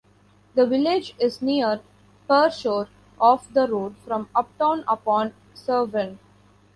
The village is near Pershore, off the road from Upton-upon-Severn.